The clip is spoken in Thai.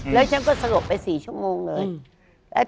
แล้วฉันก็สลบไป๔ชั่วโมงเลย